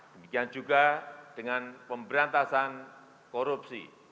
demikian juga dengan pemberantasan korupsi